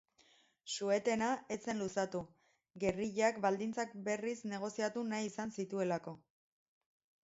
Su-etena ez zen luzatu, gerrillak baldintzak berriz negoziatu nahi izan zituelako.